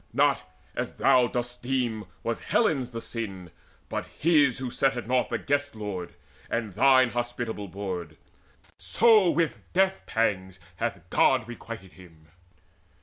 Not, as thou dost deem, Was Helen's the sin, but his who set at naught The Guest lord, and thine hospitable board; So with death pangs hath God requited him."